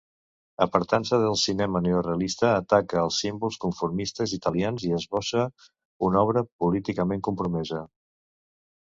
Apartant-se del cinema neorealista, ataca els símbols conformistes italians i esbossa una obra políticament compromesa.